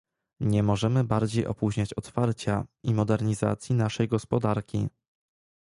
Nie możemy bardziej opóźniać otwarcia i modernizacji naszej gospodarki